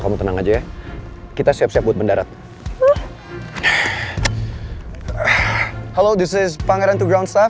kamu tenang aja ya kita siap siap untuk mendarat ah